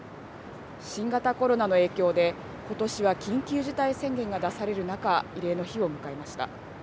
新型コロナの影響で、ことしは緊急事態宣言が出される中、慰霊の日を迎えました。